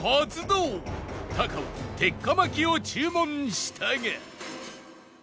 タカは鉄火巻を注文したが